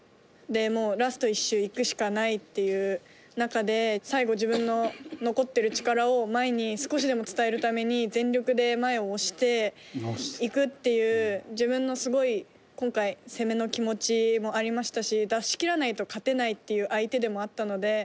ラスト１周いくしかないっていう中で最後、自分の残ってる力を前に、少しでも伝えるために全力で前を押していくっていう自分のすごい、今回攻めの気持ちもありましたし出し切らないと勝てないっていう相手でもあったので。